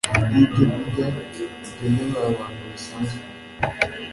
yibyokurya bigenewe abantu basanzwe